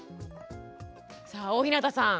さあ大日向さん